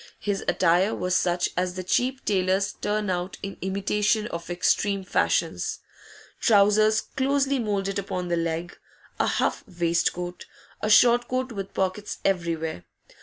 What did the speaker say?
His attire was such as the cheap tailors turn out in imitation of extreme fashions: trousers closely moulded upon the leg, a huff waistcoat, a short coat with pockets everywhere.